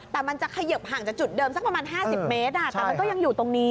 แต่มันจะเขยิบห่างจากจุดเดิมสักประมาณ๕๐เมตรแต่มันก็ยังอยู่ตรงนี้